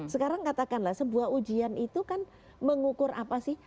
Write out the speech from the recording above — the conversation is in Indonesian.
sekarang katakanlah sebuah ujian itu kan mengukur apa sih